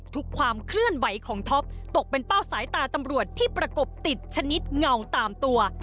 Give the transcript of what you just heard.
ความเคลื่อนไหวของท็อปตกเป็นเป้าสายตาตำรวจที่ประกบติดชนิดเงาตามตัว